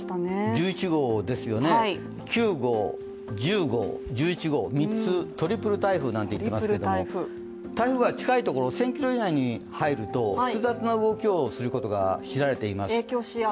１１号ですよね、９号、１０号、１１号、３つ、トリプル台風なんて言っていますけれども台風が近いところ１０００ｋｍ以内に入ると複雑な動きをすることが知られています。